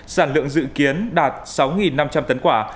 sản lượng dự kiến đạt sáu năm trăm linh tấn quả